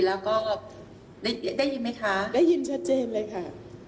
แล้วก็ได้ยินไหมคะได้ยินชัดเจนเลยค่ะ